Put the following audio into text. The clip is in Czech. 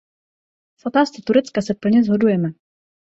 V otázce Turecka se plně shodujeme.